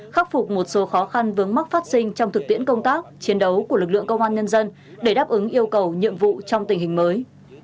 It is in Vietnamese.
khắc phục một số khó khăn vướng mắc phát sinh trong thực tiễn công tác chiến đấu của lực lượng công an nhân dân để đáp ứng yêu cầu nhiệm vụ trong tình hình mới